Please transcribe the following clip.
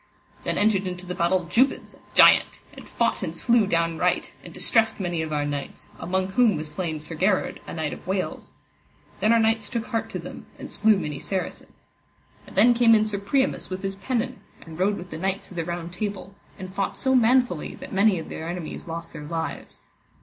Then entered into the battle Jubance a giant, and fought and slew down right, and distressed many of our knights, among whom was slain Sir Gherard, a knight of Wales. Then our knights took heart to them, and slew many Saracens. And then came in Sir Priamus with his pennon, and rode with the knights of the Round Table, and fought so manfully that many of their enemies lost their lives.